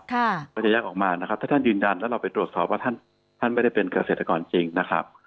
ก็จะแยกออกมานะครับถ้าท่านยืนยันแล้วเราไปตรวจสอบว่าท่านท่านไม่ได้เป็นเกษตรกรจริงนะครับ